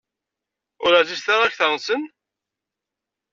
Ur ɛzizit ara akteṛ-nsen?